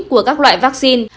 của các loại vaccine